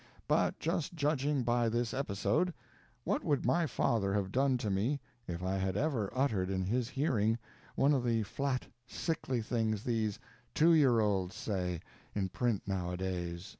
But just judging by this episode, what would my father have done to me if I had ever uttered in his hearing one of the flat, sickly things these "two years olds" say in print nowadays?